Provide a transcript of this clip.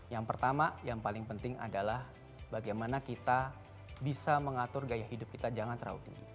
yang pertama yang paling penting adalah bagaimana kita bisa mengatur gaya hidup kita jangan terlalu tinggi